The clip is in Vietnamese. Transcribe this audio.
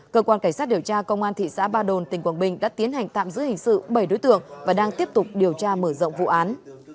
cơ quan cảnh sát điều tra công an thị xã ba đồn tỉnh quảng bình đã tiến hành tạm giữ hình sự bảy đối tượng và đang tiếp tục điều tra mở rộng vụ án